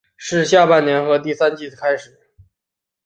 是下半年和第三季的开始。